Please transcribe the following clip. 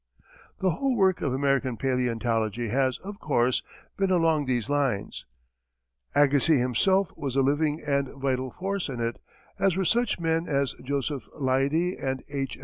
The whole work of American paleontology has, of course, been along these lines. Agassiz himself was a living and vital force in it, as were such men as Joseph Leidy and H.